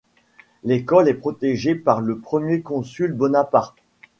L'école est protégée par le premier consul Bonaparte.